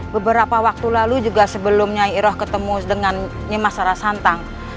beberapa waktu lalu juga sebelumnya iroh ketemu dengan nimasara santang